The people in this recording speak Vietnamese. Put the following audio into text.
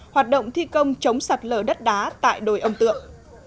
hoạt động thi công chống sạt lở đất đá tại đồi âm tượng